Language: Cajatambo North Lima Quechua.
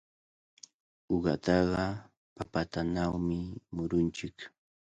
Uqataqa papatanawmi murunchik.